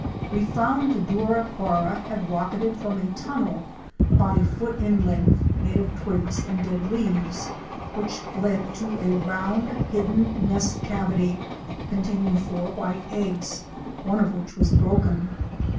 We found the Douraquara® had rocketted from a tunnel about a foot in length, made of twigs and dead leaves, which led to a round hidden nest cavity containing four white eggs, one of which was broken.